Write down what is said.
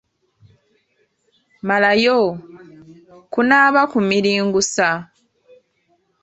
Malayo: Kunaaba kumiringusa, ….